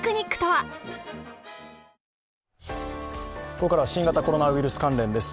ここからは新型コロナウイルス関連です。